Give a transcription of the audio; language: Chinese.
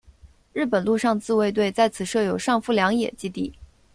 日本陆上自卫队在此设有上富良野基地。